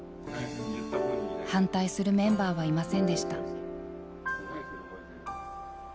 反対するメンバーはいませんでした。